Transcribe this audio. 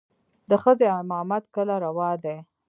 د ښځې امامت کله روا دى.